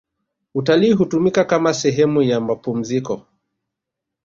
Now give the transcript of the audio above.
utalii hutumika kama sehemu ya mapumziko